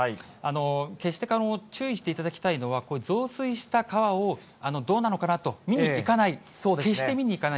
決して、注意していただきたいのは、こういう増水した川をどうなのかなと見に行かない、決して見に行かない。